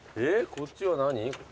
こっちは何？